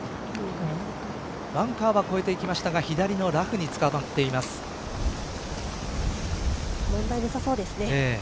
バンカーは越えていきましたが左のラフに問題なさそうですね。